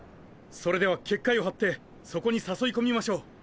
それでは結界を張ってそこに誘い込みましょう。